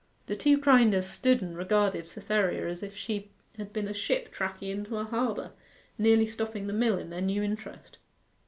The two grinders stood and regarded Cytherea as if she had been a ship tacking into a harbour, nearly stopping the mill in their new interest.